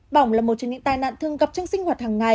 bỏng là một trong những tai nạn thường gặp trong sinh hoạt hàng ngày